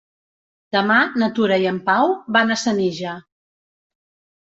Demà na Tura i en Pau van a Senija.